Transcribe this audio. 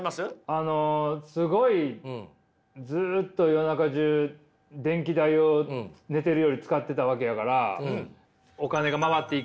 あのすごいずっと夜中じゅう電気代を寝ているより使ってたわけやからお金が回っていく。